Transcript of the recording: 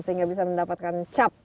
sehingga bisa mendapatkan cap